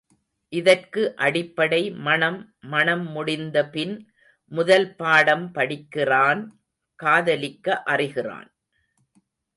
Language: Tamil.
இதற்கு அடிப்படை மணம் மணம் முடிந்தபின் முதல் பாடம் படிக்கிறான் காதலிக்க அறிகிறான்.